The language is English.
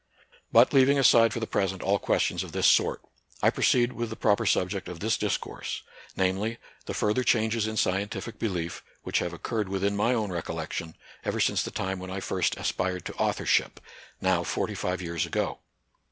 But, leaving aside for the present all ques tions of this sort, I proceed with the proper subject of this discourse ; namely, the further changes in scientific belief,' which have occurred within my own recollection, even since the time when I first aspired to authorship, now forty five years ago.